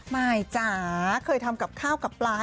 มายจ๋าเคยทำกับข้าวกับปลา